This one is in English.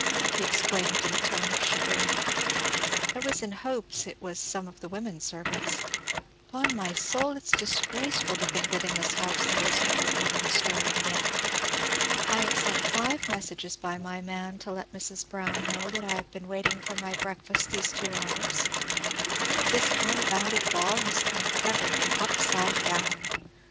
exclaimed he in a tone of chagrin. "I was in hopes it was some of the women servants. 'Pon my soul, it's disgraceful to think that in this house there is not a woman stirring yet! I have sent five messages by my man to let Mrs. Brown know that I have been waiting for my breakfast these two hours; but this confounded ball has turned everything upside down!